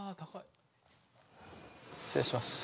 失礼します。